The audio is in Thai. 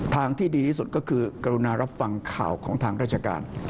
ทางที่ดีที่สุดก็คือกรุณารับฟังข่าวของทางราชการ